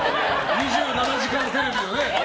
「２７時間テレビ」のね。